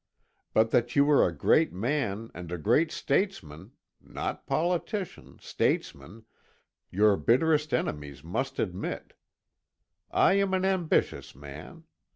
But that you are a great man and a great statesman not politician, statesman your bitterest enemies must admit. I am an ambitious man.